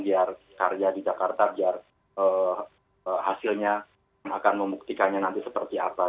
tapi kerja di jakarta biar hasilnya akan memuktikannya nanti seperti apa